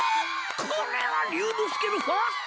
これは竜之介のファーストキス！